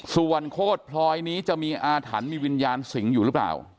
ส่วนโฆษพลอยนี้จะมีอาถรรษ์มีวิญญาณสิงหรือเปล่า